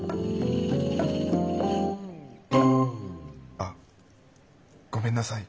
あっごめんなさい